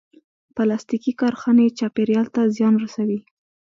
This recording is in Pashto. پلاستيکي کارخانې چاپېریال ته زیان رسوي.